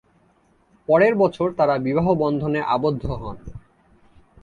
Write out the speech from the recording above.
পরের বছর তারা বিবাহ বন্ধনে আবদ্ধ হন।